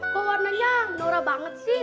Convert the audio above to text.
kok warnanya norah banget sih